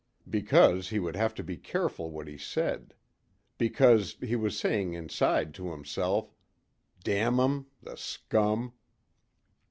Because he would have to be careful what he said. Because he was saying inside to himself, "Damn 'em. The scum!"